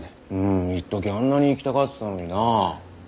いっときあんなに行きたがってたのにな。